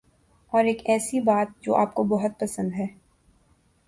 اور ایک ایسی بات جو آپ کو بہت پسند ہے